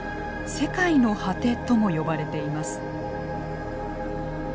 世界の果てとも呼ばれています。